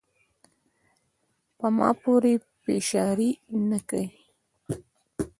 پۀ ما پورې پیشاړې نۀ کے ،